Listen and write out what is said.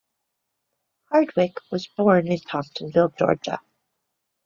Hardwick was born in Thomasville, Georgia.